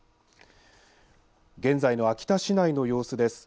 現在の秋田市内の様子です。